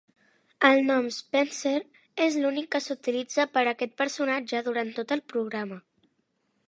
El nom Spenser es l'únic que s'utilitza per aquest personatge durant tot el programa.